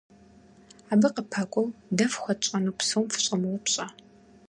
Абы къыпэкӀуэу дэ фхуэтщӀэну псом фыщӀэмыупщӀэ.